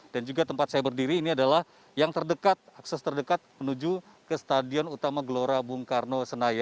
dan juga tempat saya berdiri ini adalah yang terdekat akses terdekat menuju ke stadion utama gelora bung karno